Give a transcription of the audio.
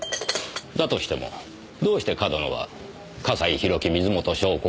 だとしてもどうして上遠野は笠井宏樹水元湘子